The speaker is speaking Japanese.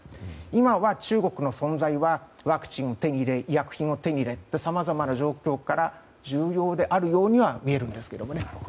今は、中国の存在はワクチンを手に入れ医薬品を手に入れさまざまな状況から重要であるようには見えるんですが。